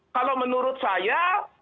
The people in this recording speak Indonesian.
kalau menurut saya